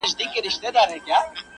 باران زما د کور له مخې څخه دوړې يوړې,